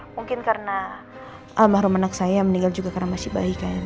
mungkin karena almarhum anak saya yang meninggal juga karena masih bayi kan